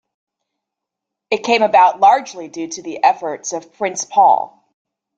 It came about largely due to the efforts of Prince Paul.